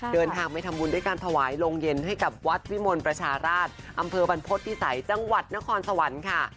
เดินทางไปทำบุญด้วยการถวายโรงเย็นให้กับวัดวิมลประชาราชอำเภอบรรพฤษภิษัยจังหวัดนครสวรรค์ค่ะ